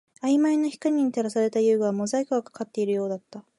曖昧な光に照らされた遊具はモザイクがかかっているようだった